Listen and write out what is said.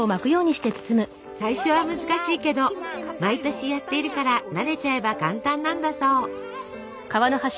最初は難しいけど毎年やっているから慣れちゃえば簡単なんだそう。